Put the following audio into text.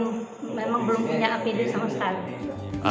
memang belum punya apd sama sekali